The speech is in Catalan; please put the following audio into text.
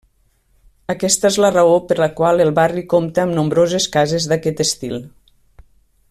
Aquesta és la raó per la qual el barri compta amb nombroses cases d'aquest estil.